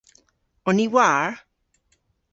On ni war?